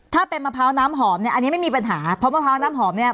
ถ้าเป็นมะพร้าวน้ำหอมเนี่ยอันนี้ไม่มีปัญหาเพราะมะพร้าวน้ำหอมเนี่ย